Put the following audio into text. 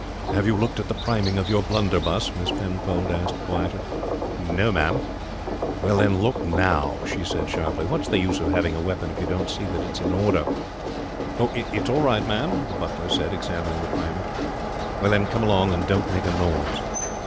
"Have you looked to the priming of your blunderbuss?" Miss Penfold asked quietly. "No, ma'am." "Well, then, look now," she said sharply. "What's the use of having a weapon if you don't see that it's in order?" "It's all right, ma'am," the butler said, examining the priming. "Well, then, come along and don't make a noise."